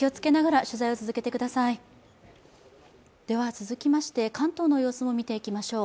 続きまして、関東の様子も見ていきましょう。